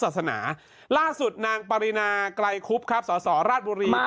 ศาสนาล่าสุดนางปรินาไกลคุบครับสสราชบุรี